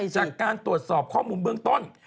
จากการตรวจสอบข้อมูลเบื้องต้น